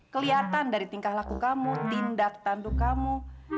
kelihatan dari tingkah laku kamu tindak tanduk kamu